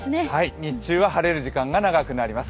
日中は晴れる時間が長くなります。